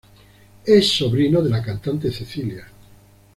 Es sobrino de la cantante Cecilia.